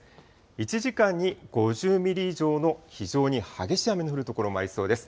１時間に５０ミリ以上の非常に激しい雨の降る所もありそうです。